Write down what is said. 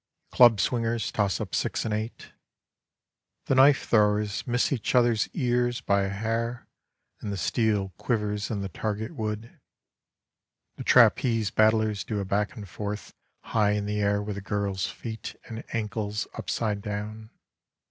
Club swingers toss up six and eight. The knife throwers miss each other's ears by a hair and the steel quivers in the target wood. The trapeze battlers do a back and forth high in the air with a girl's feet and ankles upside down.